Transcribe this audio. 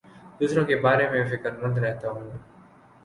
دوسروں کے بارے میں فکر مند رہتا ہوں